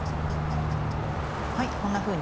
はいこんなふうに。